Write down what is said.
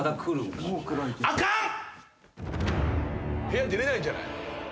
部屋出れないんじゃない？